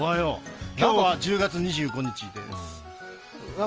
今日は１０月２５日です。